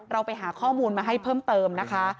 เราไปหาข้อมูลมาให้เพิ่มเติมนะคะ